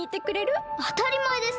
あたりまえです！